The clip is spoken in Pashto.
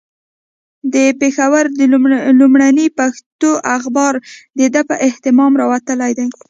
د پېښور لومړنی پښتو اخبار د ده په اهتمام راوتلی دی.